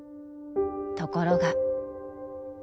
［ところが］